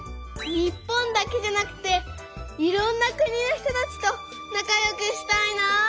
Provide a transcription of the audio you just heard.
日本だけじゃなくていろんな国の人たちと仲よくしたいなあ。